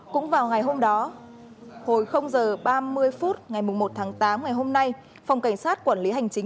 cũng vào ngày hôm đó hồi h ba mươi phút ngày một tháng tám ngày hôm nay phòng cảnh sát quản lý hành chính